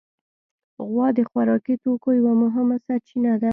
غوا د خوراکي توکو یوه مهمه سرچینه ده.